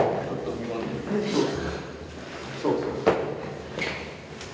そうそうそう。